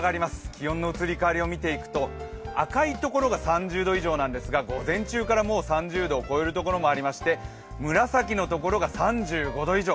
気温の移り変わりを見ていくと赤いところが３０度以上なんですが午前中からもう３０度を超えるところもありまして、紫のところが３５度以上。